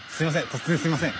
突然すいません。